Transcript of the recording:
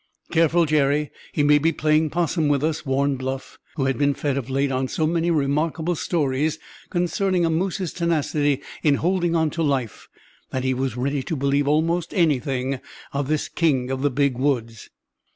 "Careful, Jerry; he may be playing 'possum with us!" warned Bluff, who had been fed of late on so many remarkable stories concerning a moose's tenacity in holding on to life that he was ready to believe almost anything of this king of the Big Woods.